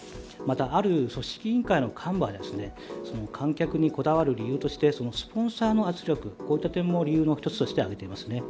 ある組織委員会の幹部は観客にこだわる理由としてスポンサーの圧力も理由の１つとして挙げています。